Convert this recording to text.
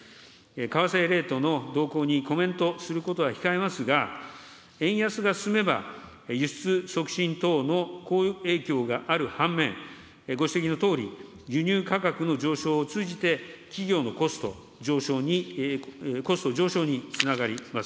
為替レートの動向にコメントすることは控えますが、円安が進めば、輸出促進等の好影響がある半面、ご指摘のとおり、輸入価格の上昇を通じて、企業のコスト上昇に、コスト上昇につながります。